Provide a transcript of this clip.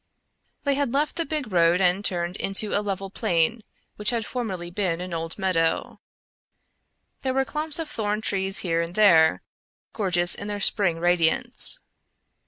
They had left the big road and turned into a level plain which had formerly been an old meadow. There were clumps of thorn trees here and there, gorgeous in their spring radiance.